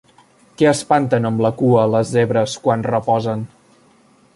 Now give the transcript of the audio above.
Què espanten amb la cua les zebres quan reposen?